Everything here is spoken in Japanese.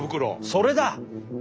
それだ。